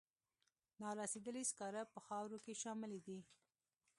نارسیدلي سکاره په خاورو کې شاملې دي.